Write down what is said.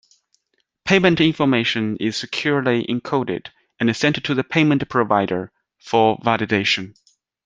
Payment information is securely encoded and sent to the payment provider for validation.